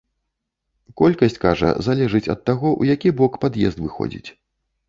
Колькасць, кажа, залежыць ад таго, у які бок пад'езд выходзіць.